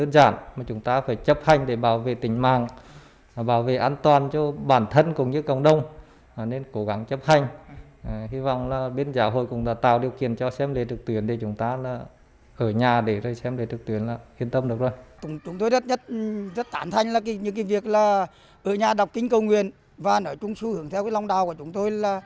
rất tản thanh là những việc ở nhà đọc kinh cầu nguyện và sưu hưởng theo lòng đào của chúng tôi